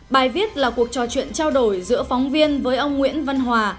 bài viết là cuộc trò chuyện trao đổi giữa phóng viên với ông nguyễn văn hòa